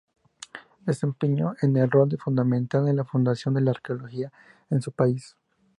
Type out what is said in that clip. Desempeñó un rol fundamental en la fundación de la arqueología en su país.